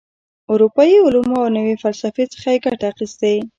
اروپايي علومو او نوي فسلفې څخه یې ګټه اخیستې.